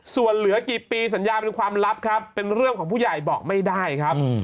ส่วนเหลือกี่ปีสัญญาเป็นความลับครับเป็นเรื่องของผู้ใหญ่บอกไม่ได้ครับ